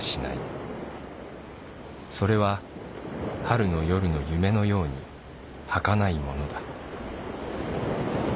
それは春の夜の夢のようにはかないものだ。